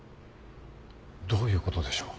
どういう事でしょう？